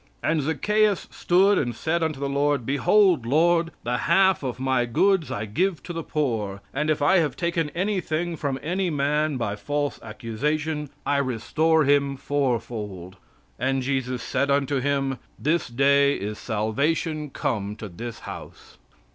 "And Zaccheus stood and said unto the Lord, 'Behold, Lord, the half of my goods I give to the poor, and if I have taken anything from any man by false accusation, I restore him four fold.' And Jesus said unto him, 'This day is salvation come to this house.'"